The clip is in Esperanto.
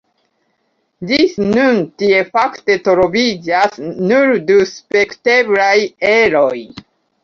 Ĝis nun tie fakte troviĝas nur du spekteblaj eroj.